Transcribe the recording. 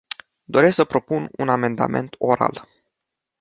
Doresc să propun un amendament oral.